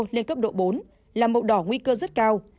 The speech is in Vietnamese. lên cấp độ bốn là màu đỏ nguy cơ rất cao